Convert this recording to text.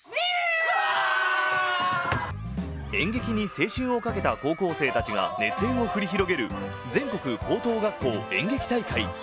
演劇に青春を懸けた高校生たちが熱演を繰り広げる全国高等学校演劇大会。